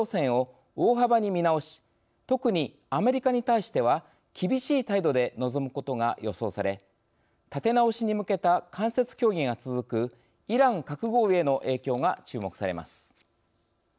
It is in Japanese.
特にアメリカに対しては厳しい態度で臨むことが予想され立て直しに向けた間接協議が続くイラン核合意への影響が注目されます。